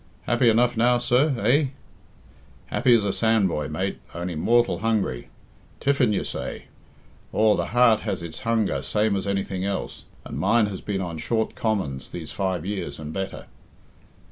"Happy enough now, sir, eh?" "Happy as a sand boy, mate, only mortal hungry. Tiffin you say? Aw, the heart has its hunger same as anything else, and mine has been on short commons these five years and better.